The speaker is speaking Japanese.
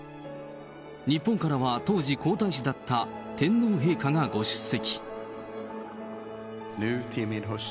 日本からは、当時皇太子だった天皇陛下がご出席。